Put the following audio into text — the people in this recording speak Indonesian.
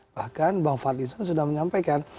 bahkan bang fadlizon sudah menyampaikan